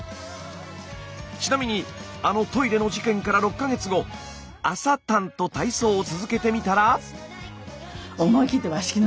ちなみにあのトイレの事件から６か月後「朝たん」と体操を続けてみたら。